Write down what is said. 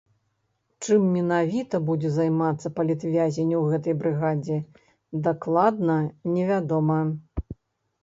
Чым менавіта будзе займацца палітвязень у гэтай брыгадзе, дакладна не вядома.